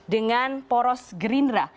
dengan poros gerindra